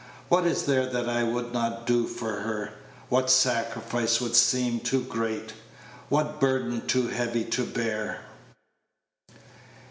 "What is there that I would not do for her? what sacrifice would seem too great? what burden too heavy to bear?"